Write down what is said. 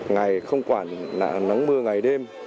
ngày không quản nắng mưa ngày đêm